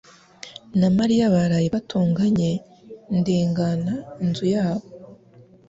na Mariya baraye batonganye ndengana inzu yabo